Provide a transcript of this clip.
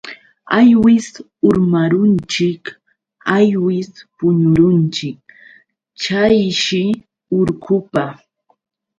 Aywis urmarunchik aywis puñurunchik chayshi urqupa.